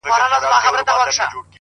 نفیب ټول ژوند د غُلامانو په رکم نیسې’